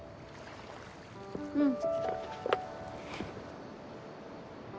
うん。